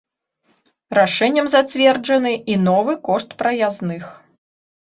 Рашэннем зацверджаны і новы кошт праязных.